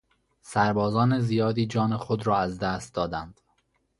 سربازان زیادی جان خود را از دست دادند